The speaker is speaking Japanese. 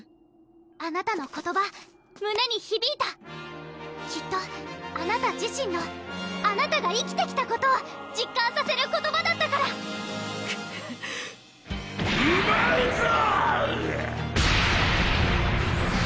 あなたの言葉胸にひびいたきっとあなた自身のあなたが生きてきたことを実感させる言葉だったからウバウゾー！